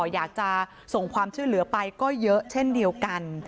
อยากจะส่งความช่วยเหลือไปก็เยอะเช่นเดียวกัน